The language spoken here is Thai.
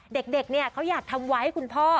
เด็กเขาอยากทำไว้ให้คุณพ่อ